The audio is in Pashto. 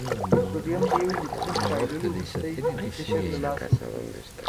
سوډیم د یو الکترون په بایللو وروستی قشر له لاسه ورکوي.